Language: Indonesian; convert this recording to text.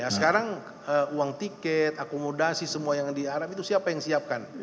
sekarang uang tiket akomodasi semua yang di arab itu siapa yang siapkan